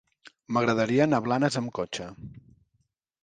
M'agradaria anar a Blanes amb cotxe.